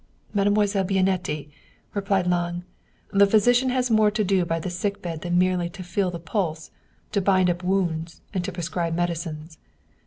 " Mademoiselle Bianetti," replied Lange, " the physician has more to do by the sick bed than merely to feel the pulse, to bind up wounds and to prescribe medicines.